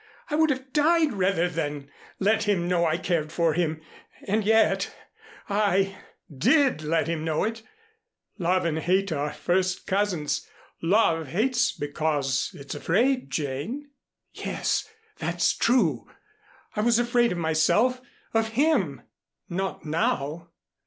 I would have died rather than let him know I cared for him and yet I did let him know it " "Love and hate are first cousins. Love hates because it's afraid, Jane." "Yes, that's true. I was afraid of myself of him " "Not now?"